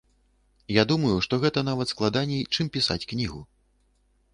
Я думаю, што гэта нават складаней, чым пісаць кнігу.